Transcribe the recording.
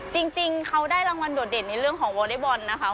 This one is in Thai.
จริงเขาได้รางวัลโดดเด่นในเรื่องของวอเล็กบอลนะคะ